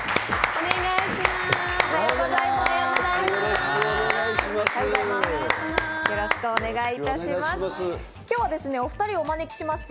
お願いします！